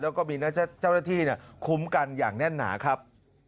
แล้วก็มีเจ้าหน้าที่คุ้มกันอย่างแน่นหนาครับ